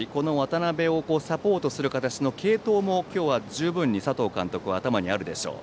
渡辺をサポートする形の継投も今日、十分に佐藤監督の頭にあるでしょう。